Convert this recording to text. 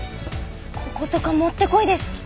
こことかもってこいです！